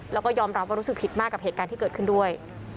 แล้วก็ยอมรับว่ารู้สึกผิดมากกับเหตุการณ์ที่เกิดขึ้นด้วย